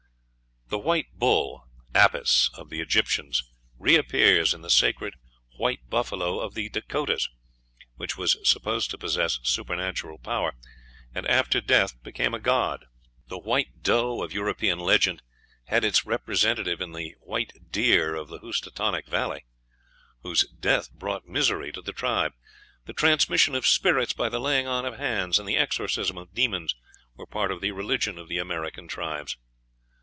The white bull, Apis, of the Egyptians, reappears in the Sacred white buffalo of the Dakotas, which was supposed to possess supernatural power, and after death became a god. The white doe of European legend had its representative in the white deer of the Housatonic Valley, whose death brought misery to the tribe. The transmission of spirits by the laying on of hands, and the exorcism of demons, were part of the religion of the American tribes.